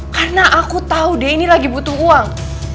karena aku tau dia ini lagi butuh uang